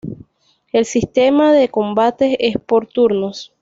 El sistema de combates es por turnos.